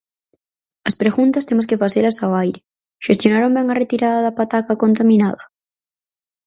As preguntas temos que facelas ao aire: ¿xestionaron ben a retirada da pataca contaminada?